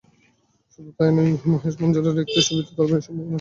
শুধু তাই নয়, মহেশ মাঞ্জারকারের একটি ছবিতেও তাঁর অভিনয়ের সম্ভাবনা রয়েছে।